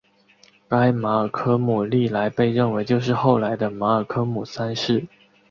该马尔科姆历来被认为就是后来的马尔科姆三世。